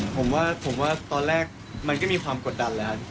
ผมว่าตอนแรกมันก็มีความกดดันแล้วนะฮะ